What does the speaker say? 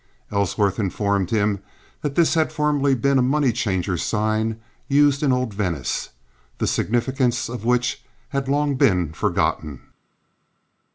Ellsworth informed him that this had formerly been a money changer's sign used in old Venice, the significance of which had long been forgotten.